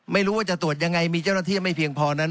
ไม่รู้ว่าจะตรวจยังไงมีเจ้าหน้าที่ไม่เพียงพอนั้น